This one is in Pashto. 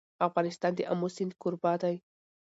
افغانستان د آمو سیند کوربه دی.